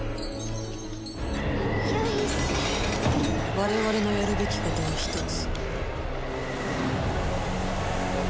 我々のやるべきことは一つ。